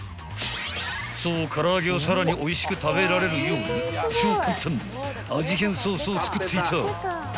［そう唐揚げをさらにおいしく食べられるように超簡単味変ソースを作っていた］